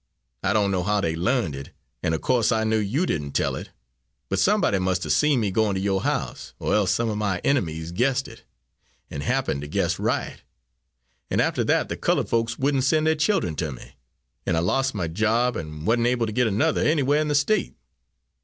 I don't know how they learned it, and of course I knew you didn't tell it; but somebody must have seen me going to your house, or else some of my enemies guessed it and happened to guess right and after that the coloured folks wouldn't send their children to me, and I lost my job, and wasn't able to get another anywhere in the State.